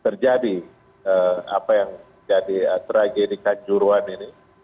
terjadi apa yang jadi tragedi kanjuruan ini